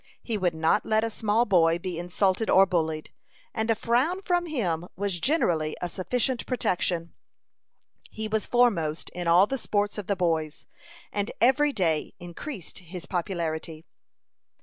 He would not let a small boy be insulted or bullied; and a frown from him was generally a sufficient protection. He was foremost in all the sports of the boys, and every day increased his popularity.